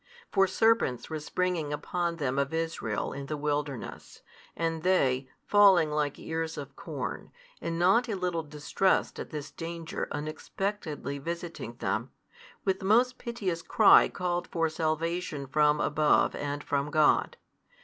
For serpents were springing upon them of Israel in the wilderness, and they, falling like ears of corn, and not a little distressed at this danger unexpectedly visiting them, with most piteous cry called for salvation from above and from God.